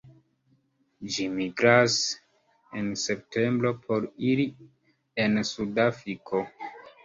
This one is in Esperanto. Ĝi migras en septembro por iri en Sudafriko.